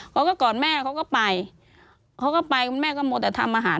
เขาก็กอดแม่แล้วเขาก็ไปคุณแม่ก็มวลแต่ทำอาหาร